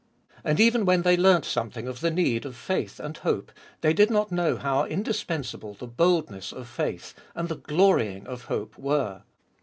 And even when they learnt something of the need of faith and hope, they did not know how indispensable the boldness of faith and the glorying of hope were.